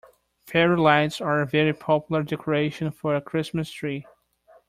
Fairy lights are a very popular decoration for a Christmas tree